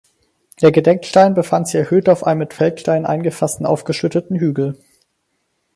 Der Gedenkstein befand sich erhöht auf einem mit Feldsteinen eingefassten aufgeschütteten Hügel.